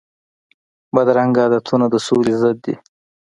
بدرنګه عادتونه د سولي ضد دي